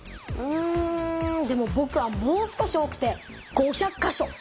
うんでもぼくはもう少し多くて５００か所！